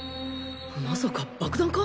まさか爆弾か？